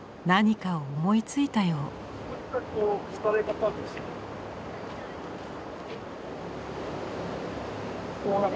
何かを思いついたよう。